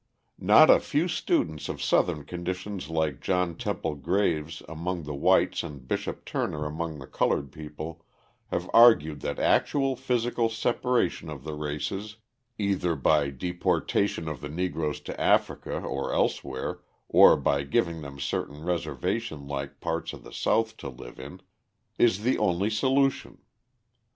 Not a few students of Southern conditions like John Temple Graves among the whites and Bishop Turner among the coloured people have argued that actual physical separation of the races (either by deportation of the Negroes to Africa or elsewhere, or by giving them certain reservation like parts of the South to live in) is the only solution.